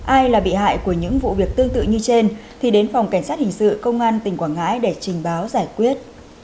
ai là bị hại của những vụ việc tương tự như trên thì đến phòng cảnh sát hình sự công an tỉnh quảng ngãi để trình báo giải quyết